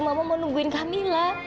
mama mau nungguin kamila